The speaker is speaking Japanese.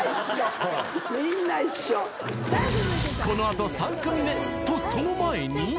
［この後３組目！とその前に］